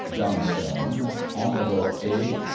Johnstone, Hon. A.